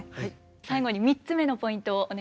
最後に３つ目のポイントをお願いします。